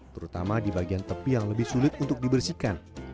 terutama di bagian tepi yang lebih sulit untuk dibersihkan